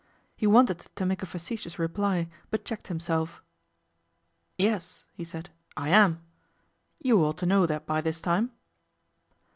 He wanted to make a facetious reply, but checked himself. 'Yes,' he said, 'I am. You ought to know that by this time.